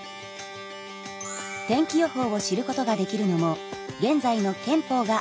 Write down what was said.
天気予報を知ることができるのも現在の憲法があるからです。